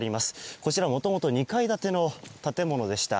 こちらはもともと２階建ての建物でした。